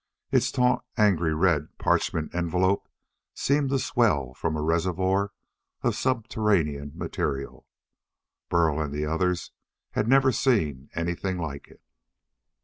Its taut, angry red parchment envelope seemed to swell from a reservoir of subterranean material. Burl and the others had never seen anything like it.